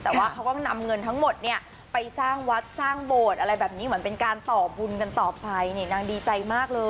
แต่ว่าเขาก็นำเงินทั้งหมดเนี่ยไปสร้างวัดสร้างโบสถ์อะไรแบบนี้เหมือนเป็นการต่อบุญกันต่อไปนี่นางดีใจมากเลย